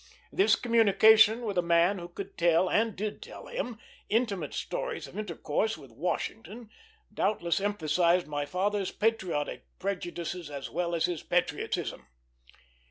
This communication with a man who could tell, and did tell him, intimate stories of intercourse with Washington doubtless emphasized my father's patriotic prejudices as well as his patriotism.